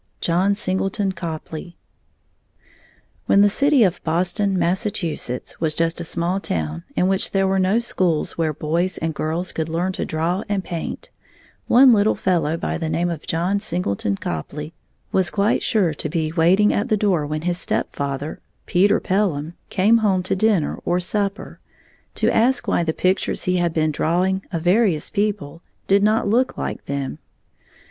JOHN SINGLETON COPLEY When the city of Boston, Massachusetts, was just a small town in which there were no schools where boys and girls could learn to draw and paint, one little fellow by the name of John Singleton Copley was quite sure to be waiting at the door when his stepfather, Peter Pelham, came home to dinner or supper, to ask why the pictures he had been drawing of various people did not look like them.